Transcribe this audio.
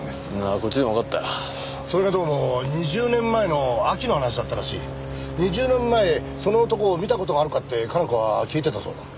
こっちでも分かったそれがどうも２０年前の秋の話だったらしい２０年前その男を見たことがあるかって加奈子は聞いてたそうだえっ